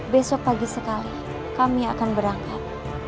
besok pagi sekali kami akan berangkat